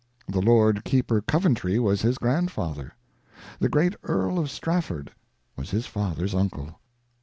The Lord Keeper Coventry was his grandfather. The great Earl of Strafford was his father's uncle.